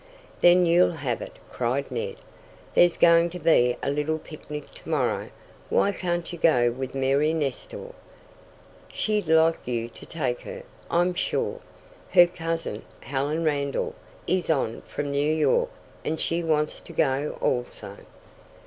"Then you'll have it!" cried Ned. "There's going to be a little picnic to morrow. Why can't you go with Mary Nestor? She'd like you to take her, I'm sure. Her cousin, Helen Randall, is on from New York, and she wants to go, also."